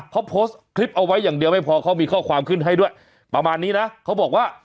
เขาโพสต์คลิปเอาไว้อย่างเดียวไม่พอเขามีข้อความขึ้นให้ด้วยประมาณนี้นะเขาบอกว่า